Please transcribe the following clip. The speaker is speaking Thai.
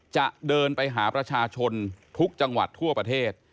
จะเดินไปหาประชาชนทุกจังหวัดทั่วประเทศ